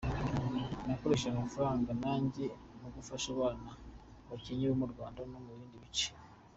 Nakoresheje amafaranga yanjye mu gufasha abana bakennye bo mu Rwanda no mu bindi bice.